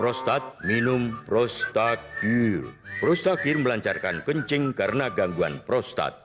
erik kustara bekasi